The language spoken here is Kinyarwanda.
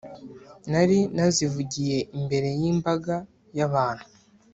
Nari nazivugiye imbere yimbaga yabantu